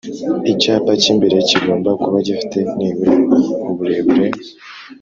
Icyapa cy’imbere kigomba kuba gifite nibura uburebure